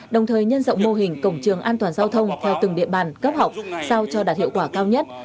đồng thời nhân rộng mô hình cổng trường an toàn giao thông theo từng địa bàn cấp học sao cho đạt hiệu quả cao nhất